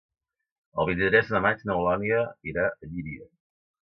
El vint-i-tres de maig n'Eulàlia irà a Llíria.